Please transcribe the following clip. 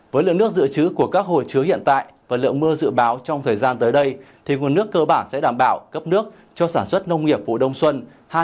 với lượng nước dự trứ của các hồ chứa hiện tại và lượng mưa dự báo trong thời gian tới đây thì nguồn nước cơ bản sẽ đảm bảo cấp nước cho sản xuất nông nghiệp vụ đông xuân